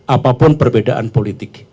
apapun perbedaan politik